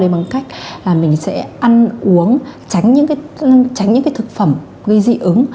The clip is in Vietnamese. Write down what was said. bằng cách là mình sẽ ăn uống tránh những thực phẩm gây dị ứng